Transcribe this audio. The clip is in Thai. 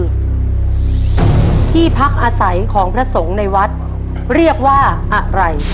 ที่พักอาศัยของพระสงฆ์ในวัดเรียกว่าอะไร